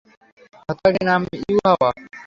হতভাগীর নাম ইউহাওয়া।